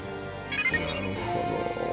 なるほど。